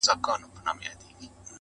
خو د افغان ډياسپورا له لوري کېدای سي